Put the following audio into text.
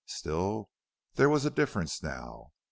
Still, there was a difference now.